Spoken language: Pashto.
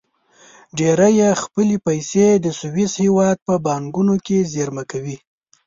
ډېری یې خپلې پیسې د سویس هېواد په بانکونو کې زېرمه کوي.